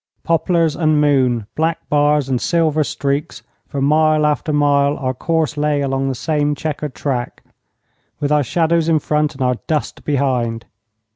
Poplars and moon, black bars and silver streaks, for mile after mile our course lay along the same chequered track, with our shadows in front and our dust behind.